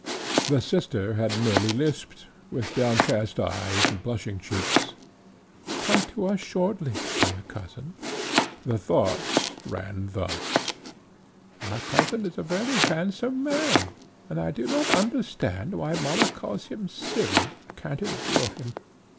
The sister had merely lisped, with downcast eyes and blushing cheeks, "Come to us shortly, dear cousin." The thoughts ran thus: "Our cousin is a very handsome man, and I do not understand why mamma calls him silly, and can't endure him.